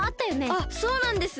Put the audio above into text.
あっそうなんです。